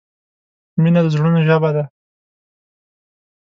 مینه د زړونو ژبه ده.